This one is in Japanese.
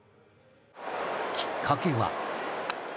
きっかけは。